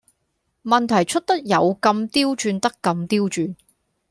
問題出得有咁刁鑽得咁刁鑽